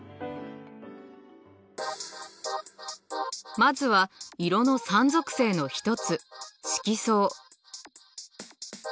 まずは色の３属性の一つ色相。